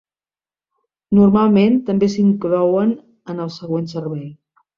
Normalment també s'inclouen en el següent servei.